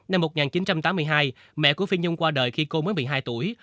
năm một nghìn chín trăm tám mươi hai mẹ của phi nhung qua đời khi cô mới một mươi hai tuổi